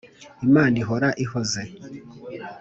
Imana ihora ihoze.